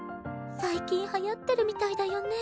最近はやってるみたいだよね。